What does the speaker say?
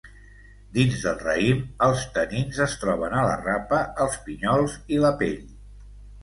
Dins del raïm, els tanins es troben a la rapa, els pinyols i la pell.